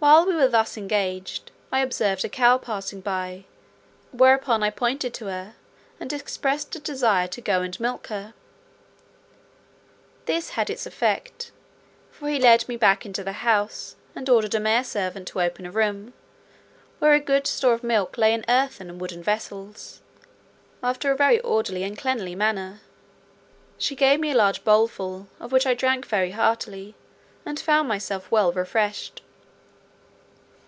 While we were thus engaged, I observed a cow passing by, whereupon I pointed to her, and expressed a desire to go and milk her. This had its effect; for he led me back into the house, and ordered a mare servant to open a room, where a good store of milk lay in earthen and wooden vessels, after a very orderly and cleanly manner. She gave me a large bowlful, of which I drank very heartily, and found myself well refreshed.